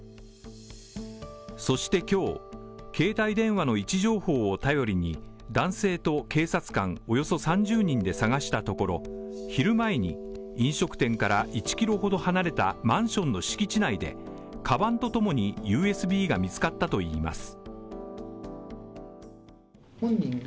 そして今日、携帯電話の位置情報を便りに男性と警察官およそ３０人で探したところ昼前に、飲食店から１ｋｍほど離れたマンションの敷地内でかばんとともにＵＳＢが見つかったといいます。